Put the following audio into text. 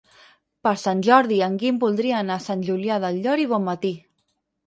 Per Sant Jordi en Guim voldria anar a Sant Julià del Llor i Bonmatí.